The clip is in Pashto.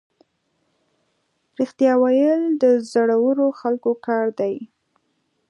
رښتیا ویل د زړورو خلکو کار دی.